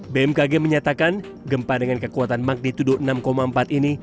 bmkg menyatakan gempa dengan kekuatan magnitudo enam empat ini